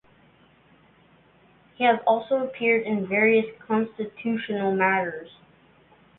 He has also appeared in various Constitutional Matters.